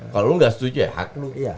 kalau lo nggak setuju ya hak lo